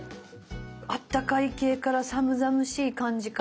あったかい系から寒々しい感じから。